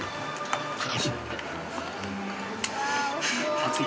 熱い？